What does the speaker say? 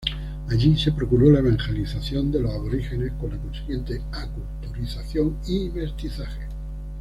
Allí se procuró la evangelización de los aborígenes, con la consiguiente aculturación y mestizaje.